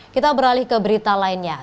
kita beralih ke berita lainnya